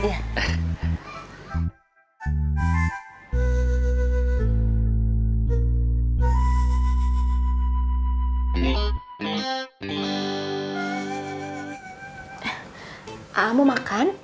a'a mau makan